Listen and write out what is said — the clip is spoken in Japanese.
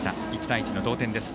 １対１の同点です。